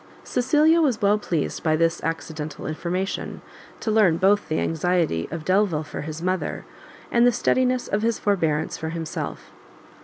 Cecilia was well pleased by this accidental information, to learn both the anxiety of Delvile for his mother, and the steadiness of his forbearance for himself.